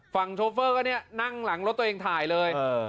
โชเฟอร์ก็เนี่ยนั่งหลังรถตัวเองถ่ายเลย